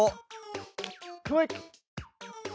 クリック！